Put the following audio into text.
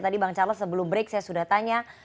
tadi bang charles sebelum break saya sudah tanya